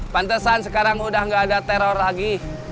pantesan sekarang udah gak ada teror lagi